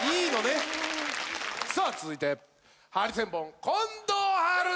さあ続いてハリセンボン近藤春菜。